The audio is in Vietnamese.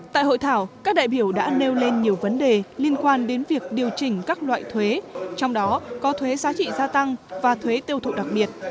tại hội thảo các đại biểu đã nêu lên nhiều vấn đề liên quan đến việc điều chỉnh các loại thuế trong đó có thuế giá trị gia tăng và thuế tiêu thụ đặc biệt